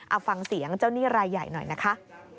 เอาฟังเสียงเจ้าหนี้รายใหญ่หน่อยนะคะ